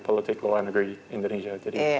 politik luar negeri indonesia jadi